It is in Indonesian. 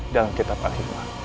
dalam kitab al hikmah